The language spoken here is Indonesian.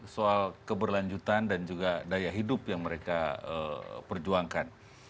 soal keberlanjutan dan juga daya hidup yang mereka perjuangkan